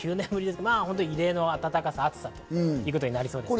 本当に異例の暖かさということになります。